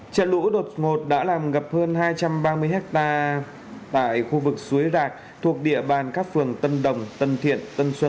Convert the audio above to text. trận lũ đột ngột đã làm ngập hơn hai trăm ba mươi ha